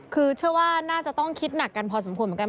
คือเชื่อว่าน่าจะต้องคิดหนักกันพอสมควรเหมือนกัน